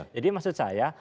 jadi maksud saya